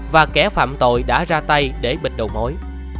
và các phạm tội đã ra tay để bịch đầu mối